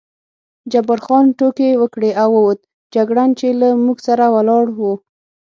جبار خان ټوکې وکړې او ووت، جګړن چې له موږ سره ولاړ و.